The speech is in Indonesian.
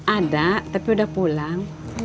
ada tapi udah pulang